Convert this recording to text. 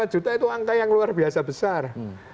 lima juta itu angka yang luar biasa besar